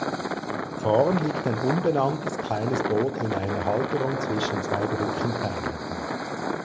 Vorn liegt ein unbemanntes kleines Boot in einer Halterung zwischen zwei Brückenpfeilern.